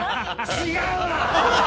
違うわ！